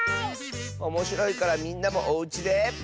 おもしろいからみんなもおうちで。